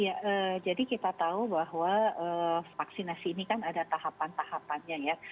ya jadi kita tahu bahwa vaksinasi ini kan ada tahapan tahapannya ya